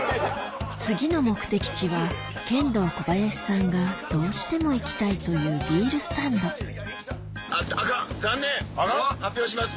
次の目的地はケンドーコバヤシさんがどうしても行きたいというビールスタンドアカン残念発表します。